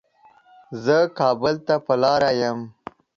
زه کابل ته په لاره يم